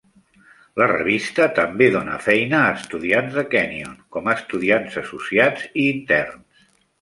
La revista també dona feina a estudiants de Kenyon com estudiants associats i interns.